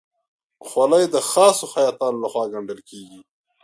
خولۍ د خاصو خیاطانو لهخوا ګنډل کېږي.